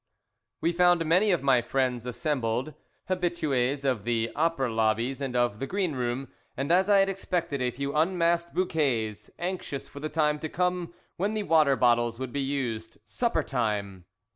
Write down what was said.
WE found many of my friends assembled habitués of the opera lobbies and of the greenroom, and, as I had expected, a few unmasked "bouquets" anxious for the time to come when the water bottles would be used supper time!